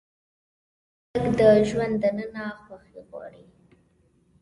نن خلک د ژوند دننه خوښي غواړي.